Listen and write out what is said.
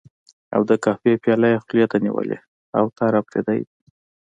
او د قهوې پياله یې خولې ته نیولې، اوتر اپرېدی دی.